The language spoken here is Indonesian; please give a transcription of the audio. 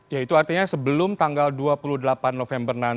ya itu artinya sebelum tanggal dua puluh delapan november nanti